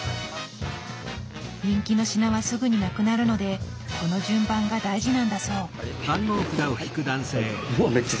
人気の品はすぐになくなるのでこの順番が大事なんだそう。